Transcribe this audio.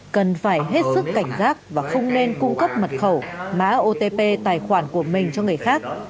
cần phải hết sức cảnh giác và không nên cung cấp mật khẩu mã otp tài khoản của mình cho người khác